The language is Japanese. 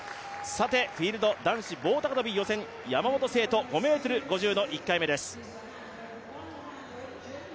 さてフィールド、男子棒高跳予選、山本聖途、５ｍ５０の１回目です。